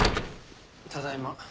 ただいま。